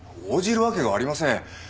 応じるわけがありません。